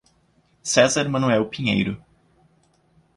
Cesar Manoel Pinheiro